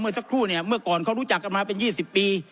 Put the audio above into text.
สักครู่เนี่ยเมื่อก่อนเขารู้จักกันมาเป็น๒๐ปี